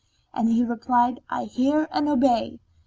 And he replied, "I hear and I obey."